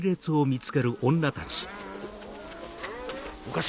お頭！